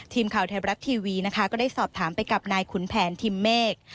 ทีมข่าวไทยรัฐทีวีนะคะก็ได้สอบถามไปกับนายขุนแผนทิมเมฆ